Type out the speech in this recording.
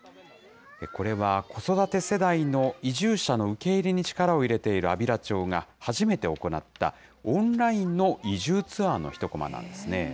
これは子育て世代の移住者の受け入れに力を入れている安平町が初めて行った、オンラインの移住ツアーの一こまですね。